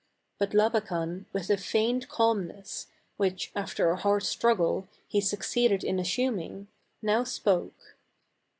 But Labakan, with a feigned calmness, which, after a hard struggle, he succeeded in assuming, now spoke.